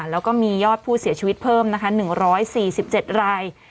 แล้วก็มียอดผู้เสียชีวิตเพิ่มนะคะหนึ่งร้อยสี่สิบเจ็ดราย